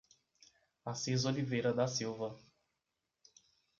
Assis Oliveira da Silva